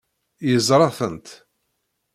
Yeẓra-tent.